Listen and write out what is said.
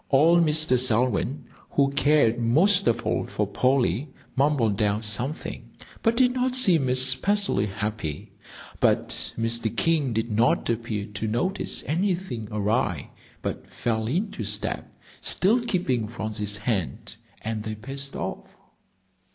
Old Mr. Selwyn, who cared most of all for Polly, mumbled out something, but did not seem especially happy. But Mr. King did not appear to notice anything awry, but fell into step, still keeping Phronsie's hand, and they paced off.